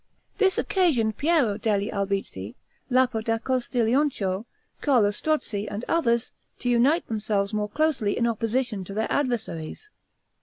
This occasioned Piero degli Albizzi, Lapo da Castiglionchio, Carlo Strozzi, and others, to unite themselves more closely in opposition to their adversaries.